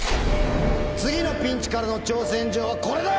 次のピンチからの挑戦状はこれだ！